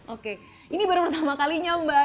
oke ini baru pertama kalinya mbak